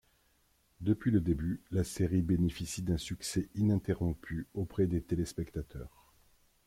Depuis le début, la série bénéficie d'un succès ininterrompu auprès des téléspectateurs.